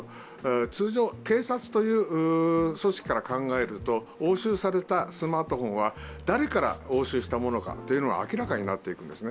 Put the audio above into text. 通常、警察という組織から考えると押収されたスマートフォンは誰から押収したものかというのは明らかになるんですね。